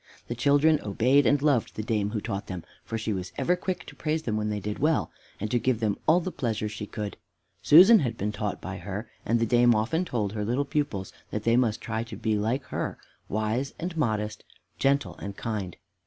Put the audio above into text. The children obeyed and loved the dame who taught them, for she was ever quick to praise them when they did well, and to give them all the pleasure she could. Susan had been taught by her, and the dame often told her little pupils that they must try to be like her, wise and modest, gentle and kind.